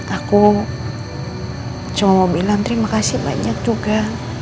aku cuma bilang terima kasih banyak juga